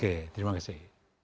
oke terima kasih